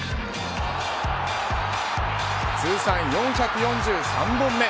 通算４４３本目。